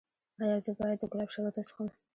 ایا زه باید د ګلاب شربت وڅښم؟